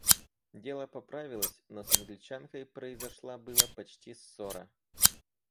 Дело поправилось, но с Англичанкой произошла было почти ссора.